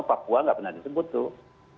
papua nggak pernah disebut tuh